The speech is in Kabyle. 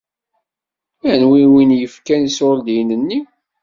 Anwi i wen-yefkan iṣuṛdiyen-nni?